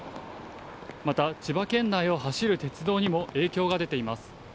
また、千葉県内を走る鉄道にも影響が出ています。